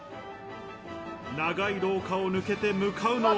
長い廊下を抜けて向かうのは。